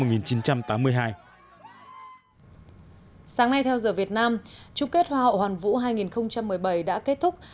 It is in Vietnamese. sáng nay theo giờ việt nam chung kết hoa hoàn vũ hai nghìn một mươi bảy đã kết thúc